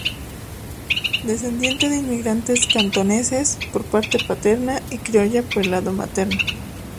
Descendiente de inmigrantes cantoneses por parte paterna, y criolla por el lado materno.